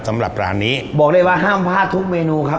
สำหรับร้านนี้บอกได้ว่าห้ามพลาดทุกเมนูครับ